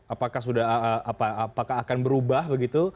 apakah akan berubah begitu